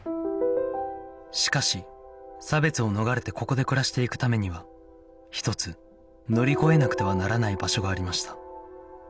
しかし差別を逃れてここで暮らしていくためには一つ乗り越えなくてはならない場所がありました